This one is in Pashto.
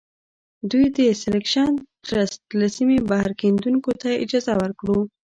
دوی د سیلکشن ټرست له سیمې بهر کیندونکو ته اجازه ورکړه.